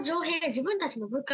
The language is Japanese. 自分たちの部下